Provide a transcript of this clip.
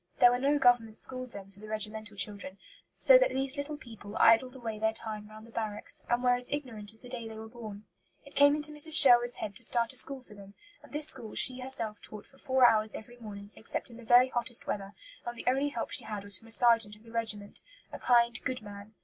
There were no Government schools then for the regimental children, so that these little people idled away their time round the barracks, and were as ignorant as the day they were born. It came into Mrs. Sherwood's head to start a school for them, and this school she herself taught for four hours every morning, except in the very hottest weather; and the only help she had was from a sergeant of the regiment, a kind, good man.